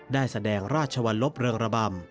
ได้แสดงราชวรรลบเริงระบำ